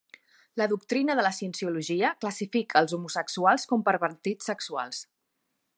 La doctrina de la cienciologia classifica els homosexuals com pervertits sexuals.